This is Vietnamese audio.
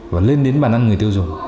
và lên đến bàn ăn người tiêu dùng